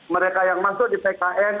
mereka yang masuk di pkn